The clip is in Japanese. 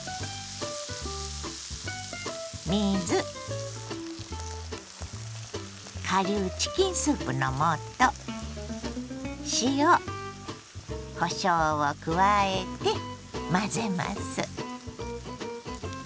水顆粒チキンスープの素塩こしょうを加えて混ぜます。